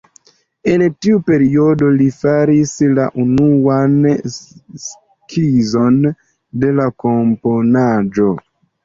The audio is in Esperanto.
En tiu periodo li faris la unuan skizon de la komponaĵo.